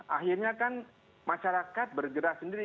akhirnya kan masyarakat bergerak sendiri